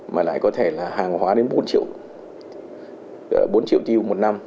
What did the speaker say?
mà lại có thể hàng hóa đến bốn triệu tiêu một năm